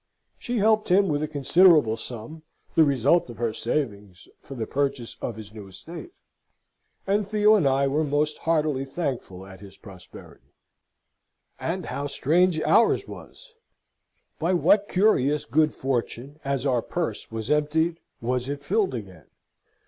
She helped him with a considerable sum, the result of her savings, for the purchase of his new estate; and Theo and I were most heartily thankful at his prosperity. And how strange ours was! By what curious good fortune, as our purse was emptied, was it filled again!